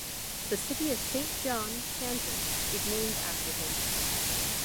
The city of Saint John, Kansas, is named after him.